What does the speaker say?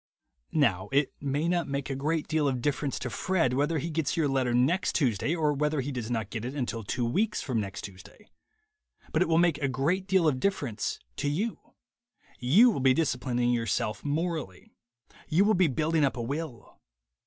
Now it may not make a great deal of difference to Fred whether he gets your letter next Tuesday or whether he does not get it until two weeks from next Tuesday. But it will make a great deal of difference to you. You will be disciplining your self morally. You will be building up a will.